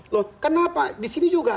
loh kenapa disini juga